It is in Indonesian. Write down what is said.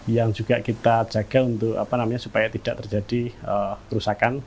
yang juga kita jaga untuk supaya tidak terjadi kerusakan